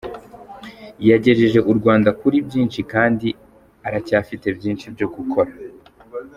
Yagejeje u Rwanda kuri byinshi kandi aracyafite byinshi byo gukora.